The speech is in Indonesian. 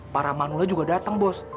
para manula juga datang bos